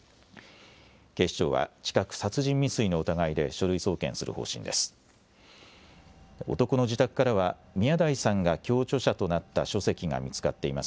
警視庁は近く、殺人未遂の疑いで書類送検する方針です。